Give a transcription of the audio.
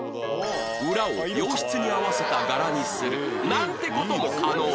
裏を洋室に合わせた柄にするなんて事も可能